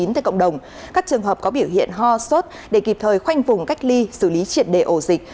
tại cộng đồng các trường hợp có biểu hiện ho sốt để kịp thời khoanh vùng cách ly xử lý triệt đề ổ dịch